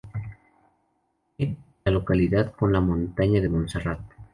Une la localidad con la montaña de Montserrat.